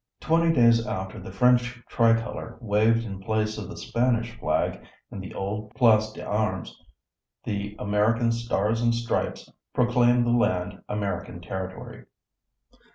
Twenty days after the French tri color waved in place of the Spanish flag in the old Place d'Armes, the American stars and stripes proclaimed the land American territory.